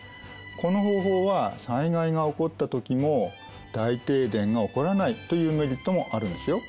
この方法は災害が起こった時も大停電が起こらないというメリットもあるんですよ。